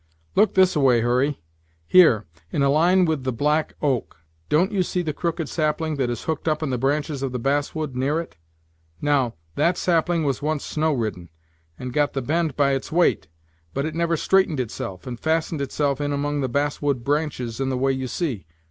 "Look this a way, Hurry here, in a line with the black oak don't you see the crooked sapling that is hooked up in the branches of the bass wood, near it? Now, that sapling was once snow ridden, and got the bend by its weight; but it never straightened itself, and fastened itself in among the bass wood branches in the way you see.